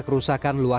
perusahaan assume tech